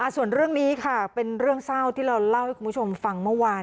ส่วนเรื่องนี้ค่ะเป็นเรื่องเศร้าที่เราเล่าให้คุณผู้ชมฟังเมื่อวาน